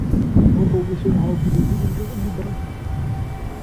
مروا بسرعة و بدون إلقاء نظرة.